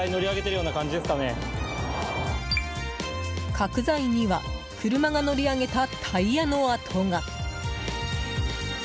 角材には車が乗り上げたタイヤの跡が。